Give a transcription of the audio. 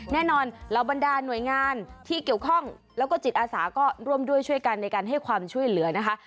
เหล่าบรรดาหน่วยงานที่เกี่ยวข้องแล้วก็จิตอาสาก็ร่วมด้วยช่วยกันในการให้ความช่วยเหลือนะคะ